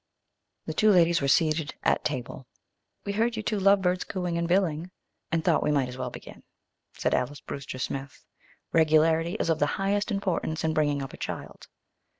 The two ladies were seated at table. "We heard you two love birds cooing and billing, and thought we might as well begin," said Alys Brewster Smith. "Regularity is of the highest importance in bringing up a child."